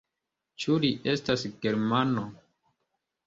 Ĉu li estas germano?